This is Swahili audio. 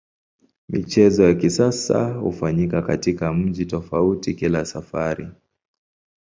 Michezo ya kisasa hufanyika katika mji tofauti kila safari.